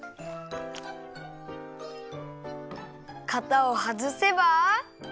かたをはずせば。